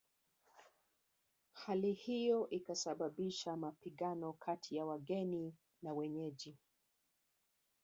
Hali hiyo ikasababisha mapigano kati ya wageni na wenyeji